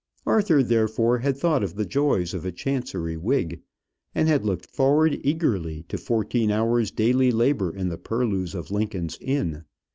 Arthur, therefore, had thought of the joys of a Chancery wig, and had looked forward eagerly to fourteen hours' daily labour in the purlieus of Lincoln's Inn.